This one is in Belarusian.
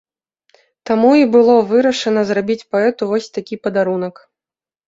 Таму і было вырашана зрабіць паэту вось такі падарунак.